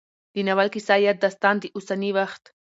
د ناول کيسه يا داستان د اوسني وخت